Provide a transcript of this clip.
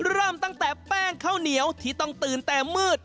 เริ่มตั้งแต่แป้งข้าวเหนียวที่ต้องตื่นแต่มืด